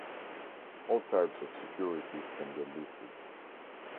All types of securities can be listed.